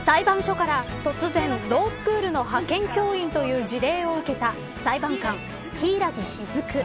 裁判所から突然ロースクールの派遣教員という辞令を受けた裁判官、柊木雫。